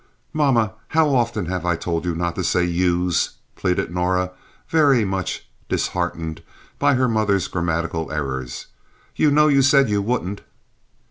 "Mama, how often have I told you not to say 'youse'?" pleaded Norah, very much disheartened by her mother's grammatical errors. "You know you said you wouldn't."